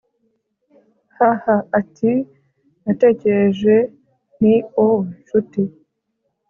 ha-ha! ati-natekereje nti oh, nshuti